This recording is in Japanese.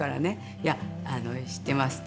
「いや、知ってます」って。